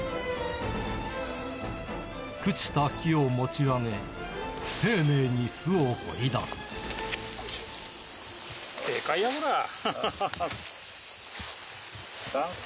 朽ちた木を持ち上げ、丁寧に巣を掘り出す。